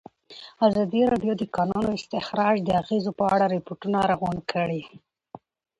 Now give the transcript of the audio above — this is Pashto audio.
ازادي راډیو د د کانونو استخراج د اغېزو په اړه ریپوټونه راغونډ کړي.